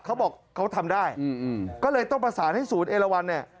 เขาบอกเขาทำได้ก็เลยต้องประสานให้ศูนย์เอลวันเนี่ย